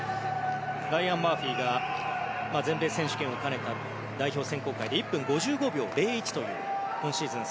ライアン・マーフィーが全米選手権を兼ねた代表選考会で１分５５秒０１という今シーズン